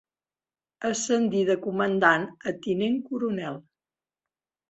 Ascendir de comandant a tinent coronel.